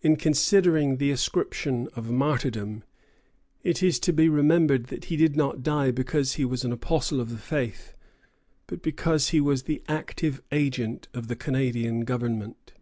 In considering the ascription of martyrdom, it is to be remembered that he did not die because he was an apostle of the faith, but because he was the active agent of the Canadian government.